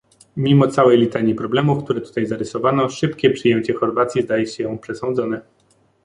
Mimo całej litanii problemów, które tutaj zarysowano, szybkie przyjęcie Chorwacji zdaje się przesądzone